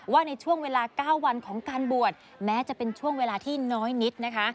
ในช่วงเวลา๙วันของการบวชแม้จะเป็นช่วงเวลาที่น้อยนิดนะคะ